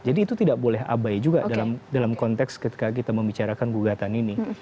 jadi itu tidak boleh abai juga dalam konteks ketika kita membicarakan gugatan ini